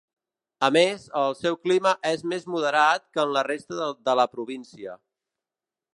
A més, el seu clima és més moderat que en la resta de la província.